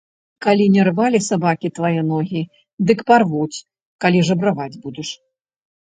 Калі не рвалі сабакі твае ногі, дык парвуць, калі жабраваць будзеш.